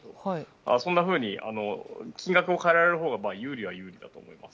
そんなふうに金額を変えられるほうが有利は有利だと思います。